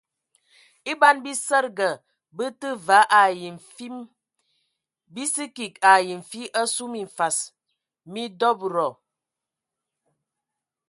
E ban bisədəga bə tə vaa ai fim bi sə kig ai nfi asu minfas mi dɔbədɔ.